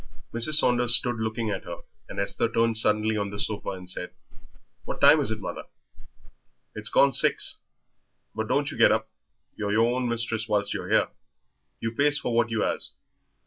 Mrs. Saunders stood looking at her, and Esther turned suddenly on the sofa and said "What time is it, mother?" "It's gone six; but don't you get up. You're your own mistress whilst you're here; you pays for what you 'as."